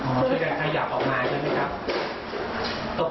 ช่วยกันขยับออกมาเพื่อยังไหมครับตกใจรึป่ะตอนนั้น